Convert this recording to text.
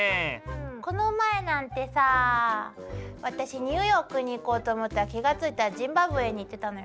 この前なんてさぁ私ニューヨークに行こうと思ったら気が付いたらジンバブエに行ってたのよ。